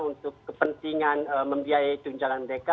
untuk kepentingan membiayai tunjangan mereka